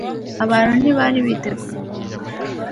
Abantu ntibari biteguye umuyaga.